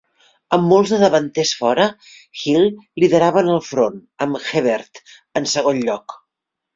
Amb molts dels davanters fora, Hill liderava en el front, amb Herbert en segon lloc.